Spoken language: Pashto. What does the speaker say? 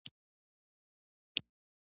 زاړه ښار ته لاړو.